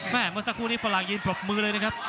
เมื่อสักครู่นี้ฝรั่งยืนปรบมือเลยนะครับ